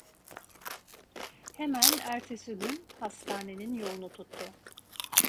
Hemen ertesi gün hastanenin yolunu tuttu.